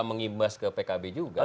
mengimbas ke pkb juga